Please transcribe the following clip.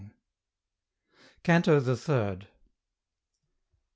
CANTO THE THIRD.